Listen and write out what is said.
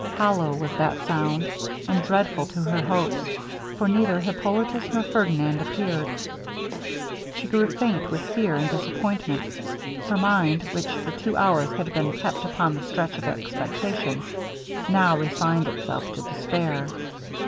Hollow was that sound, and dreadful to her hopes; for neither Hippolitus nor Ferdinand appeared. She grew faint with fear and disappointment. Her mind, which for two hours had been kept upon the stretch of expectation, now resigned itself to despair.